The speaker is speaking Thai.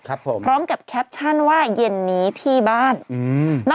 ครับผมพร้อมกับแคปชั่นว่าเย็นนี้ที่บ้านอืม